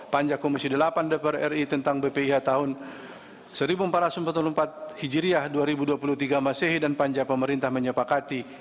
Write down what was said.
panja komisi delapan dpr ri tentang bpih tahun seribu empat ratus empat puluh empat hijriah dua ribu dua puluh tiga masehi dan panja pemerintah menyepakati